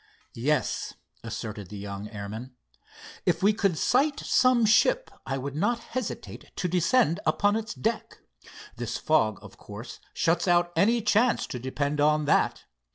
"Yes," asserted the young airman. "If we could sight some ship I would not hesitate to descend upon its deck. This fog, of course, shuts out any chance to depend on that.